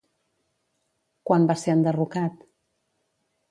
Quan va ser enderrocat?